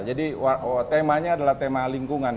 jadi temanya adalah tema lingkungan